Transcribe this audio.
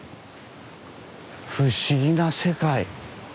不思議な世界。